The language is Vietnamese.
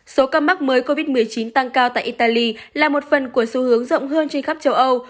số ca mắc mới covid một mươi chín tăng cao tại italy là một phần của xu hướng rộng hơn trên khắp châu âu